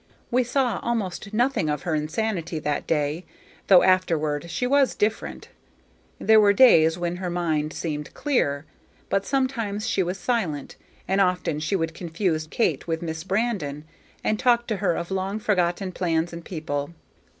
We saw almost nothing of her insanity that day, though afterward she was different. There were days when her mind seemed clear; but sometimes she was silent, and often she would confuse Kate with Miss Brandon, and talk to her of long forgotten plans and people.